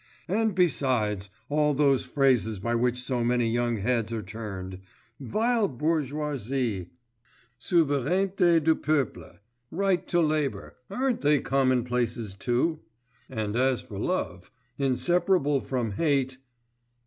And, besides, all those phrases by which so many young heads are turned: vile bourgeoisie, souveraineté du peuple, right to labour, aren't they commonplaces too? And as for love, inseparable from hate....